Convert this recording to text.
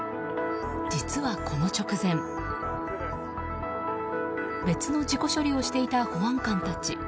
実は、この直前別の事故処理をしていた保安官たち。